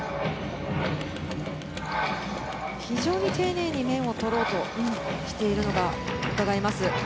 非常に丁寧に面をとろうとしているのがうかがえます。